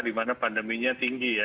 di mana pandeminya tinggi ya